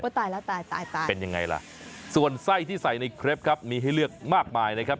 ตายแล้วตายตายเป็นยังไงล่ะส่วนไส้ที่ใส่ในเครปครับมีให้เลือกมากมายนะครับ